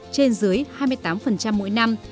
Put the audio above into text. trên dưới hai mươi tám phần trăm mỗi năm